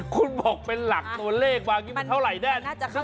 คุณบอกเป็นหลักตัวเลขวางี้มันเท่าไหร่ได้